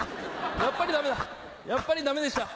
やっぱりダメだやっぱりダメでした。